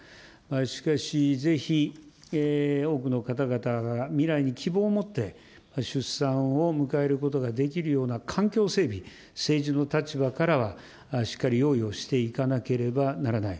しかし、ぜひ多くの方々が未来に希望を持って出産を迎えることができるような環境整備、政治の立場からはしっかり用意をしていかなければならない。